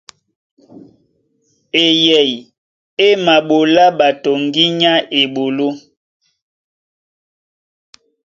Eyɛy é maɓolá ɓato ŋgínya á eɓoló.